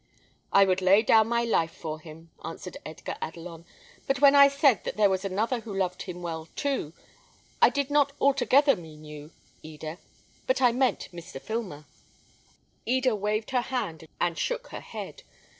"I would lay down my life for him," answered Edgar Adelon. "But when I said that there was another who loved him well too, I did not altogether mean you, Eda, but I meant Mr. Filmer." Eda waved her hand and shook her head.